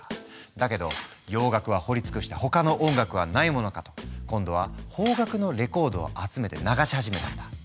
だけど洋楽は掘りつくした他の音楽はないものかと今度は邦楽のレコードを集めて流し始めたんだ。